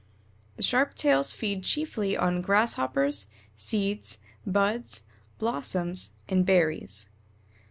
The Sharp tails feed chiefly on Grasshoppers, seeds, buds, blossoms, and berries.